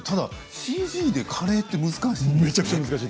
ＣＧでカレーって難しいんですね。